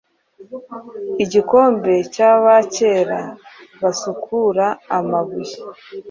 Igikombe cyabakera basukura amabuye